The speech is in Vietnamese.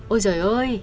ôi giời ơi